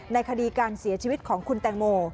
ในคดีการเสียชีวิตของคุณแตงโม